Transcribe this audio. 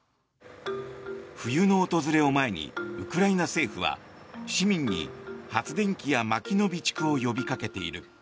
冬の訪れを前にウクライナ政府は市民に発電機やまきの備蓄を呼びかけている。